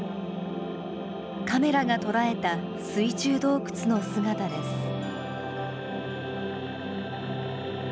カメラが捉えた水中洞窟の姿です。